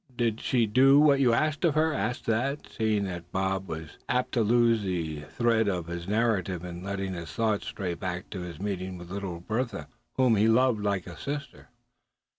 "Did she do what you asked her?" asked Thad, seeing that Bob was apt to lose the thread of his narrative in letting his thoughts stray back to his meeting with little Bertha, whom he loved like a sister.